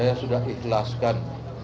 saya sudah ikhlaskan